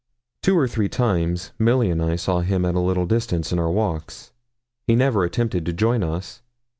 Two or three times Milly and I saw him at a little distance in our walks. He never attempted to join us.